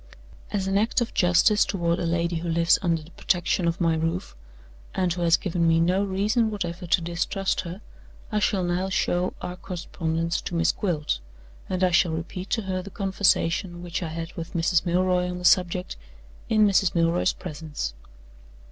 As an act of justice toward a lady who lives under the protection of my roof, and who has given me no reason whatever to distrust her, I shall now show our correspondence to Miss Gwilt; and I shall repeat to her the conversation which I had with Mrs. Milroy on the subject, in Mrs. Milroy's presence.